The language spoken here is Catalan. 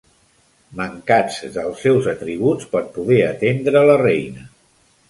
Mancats dels seus atributs per poder atendre la reina.